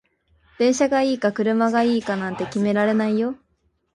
電車がいいか車がいいかなんて決められないよ